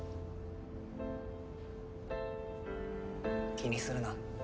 気にするな。